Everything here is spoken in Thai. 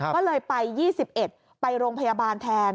ก็เลยไป๒๑ไปโรงพยาบาลแทน